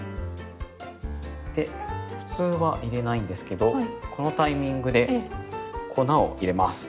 普通は入れないんですけどこのタイミングで粉を入れます。